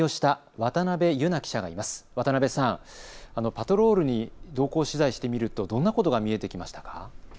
渡辺さん、パトロールに同行取材してみるとどんなことが見えてきましたか。